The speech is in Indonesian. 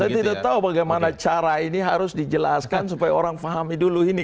saya tidak tahu bagaimana cara ini harus dijelaskan supaya orang pahami dulu ini